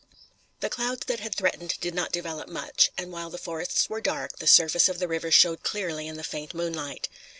The clouds that had threatened did not develop much, and while the forests were dark, the surface of the river showed clearly in the faint moonlight.